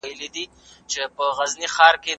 بهرنۍ پالیسي باید د ملي حاکمیت درناوی وکړي.